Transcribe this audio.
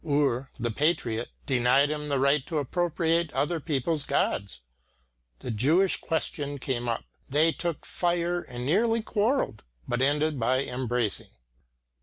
Ur, the patriot, denied him the right to appropriate other people's gods. The Jewish question came up; they took fire and nearly quarrelled, but ended by embracing.